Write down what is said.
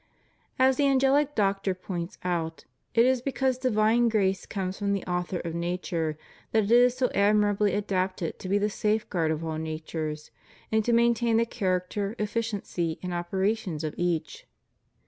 As the AngeUc Doctor points out, it is because divine grace comes from the Author of nature, that it is so admirably adapted to be the safeguard of all natures, and to maintain the character, efficiency, and operations of each.